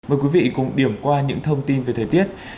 mời quý vị cùng điểm qua những thông tin về thời tiết